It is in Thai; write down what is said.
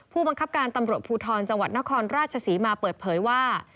ผู้บังคับการตำรวจภูทรจังหวัดนครราชศรีมาเปิดเผยว่า